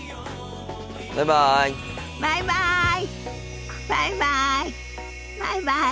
バイバイ。